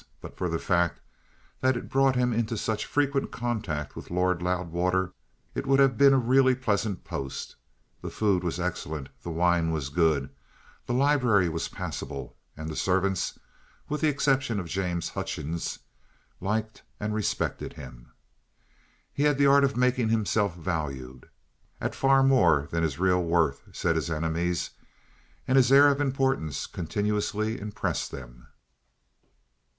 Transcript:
But for the fact that it brought him into such frequent contact with the Lord Loudwater it would have been a really pleasant post: the food was excellent; the wine was good; the library was passable; and the servants, with the exception of James Hutchings, liked and respected him. He had the art of making himself valued (at far more than his real worth, said his enemies), and his air of importance continuously impressed them.